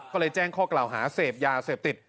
ก็เลยแจ้งข้อกล่าวหาเสพยาเสพติด